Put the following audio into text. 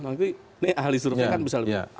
nanti ini ahli survei kan bisa lebih